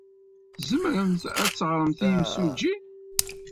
Tzemremt ad d-teɣremt i yemsujji?